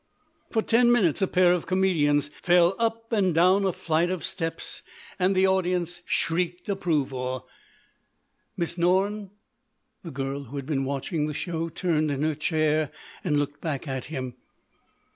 For ten minutes a pair of comedians fell up and down a flight of steps, and the audience shrieked approval. "Miss Norne?" The girl who had been watching the show turned in her chair and looked back at him.